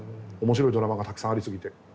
面白いドラマがたくさんありすぎて。